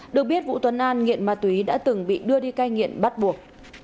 được biết vũ tuấn an nghiện ma túy đã từng bị đưa đi cai nghiện bắt buộc